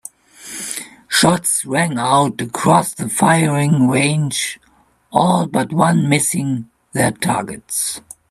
Shots rang out across the firing range, all but one missing their targets.